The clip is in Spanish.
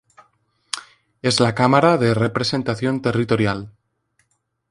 Es la cámara de representación territorial.